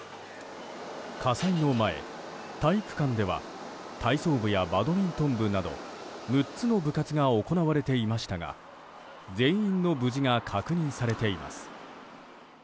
火災の前、体育館では体操部やバドミントン部など６つの部活が行われていましたが全員の無事が確認されています。